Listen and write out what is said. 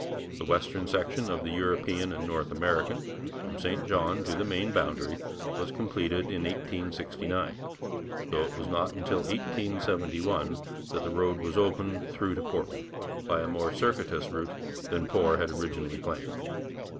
The western section of the European and North American, from St John to the Maine boundary, was completed in 1869, though it was not until 1871 that the road was opened through to Portland by a more circuitous route than Poor had originally planned.